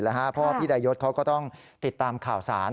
เพราะว่าพี่ดายศเขาก็ต้องติดตามข่าวสาร